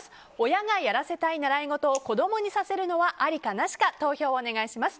親がやらせたい習い事を子供にさせるのはありかなしか投票をお願いします。